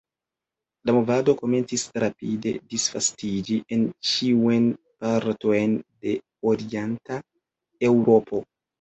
La movado komencis rapide disvastiĝi en ĉiujn partojn de orienta Eŭropo.